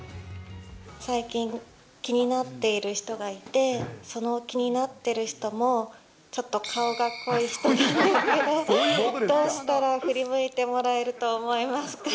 最近、気になっている人がいて、その気になっている人も、ちょっと顔が濃い人なんですけど、どうしたら振り向いてもらえると思いますか？